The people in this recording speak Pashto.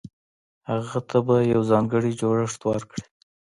هغه ته به يو ځانګړی جوړښت ورکړي.